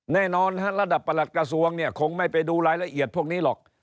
แน่นอนระดับประหลักกระทรวงเนี่ยคงไม่ไปดูรายละเอียดพวกนี้หรอก